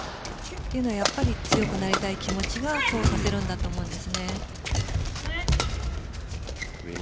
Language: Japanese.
というのは強くなりたい気持ちがそうさせるんだと思うんです。